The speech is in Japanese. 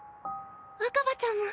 若葉ちゃんも。